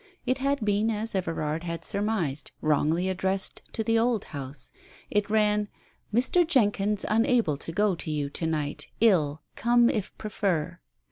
It had been as Everard had surmised, wrongly addressed to the old house. It ran — "Mr. Jenkyns unable to go to you to night. 111. Come if prefer."